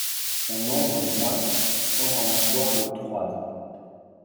On n’andre bointe sans en affoir le troide.